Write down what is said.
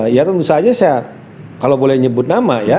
ya tentu saja saya kalau boleh nyebut nama ya